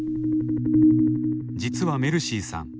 実はメルシーさん